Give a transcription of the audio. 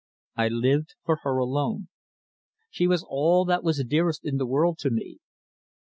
I lived for her alone. She was all that was dearest in the world to me.